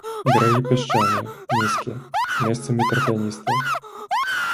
Берагі пясчаныя, нізкія, месцамі тарфяністыя.